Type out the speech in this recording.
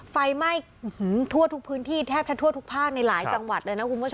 ไฟไหม้ทั่วทุกพื้นที่แทบจะทั่วทุกภาคในหลายจังหวัดเลยนะคุณผู้ชม